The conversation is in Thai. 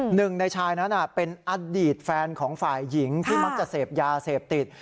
หนึ่งในชายนั้นเป็นอดีตแฟนของฝ่ายหญิงที่มักจะเสพยาเสพติด